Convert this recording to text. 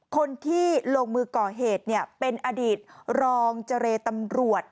คนที่ลงมือก่อเหตุเป็นอดีตรองเจรตำรวจ